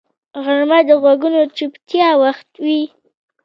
غرمه د غږونو چوپتیا وخت وي